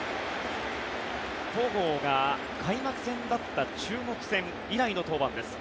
戸郷が開幕戦だった中国戦以来の登板です。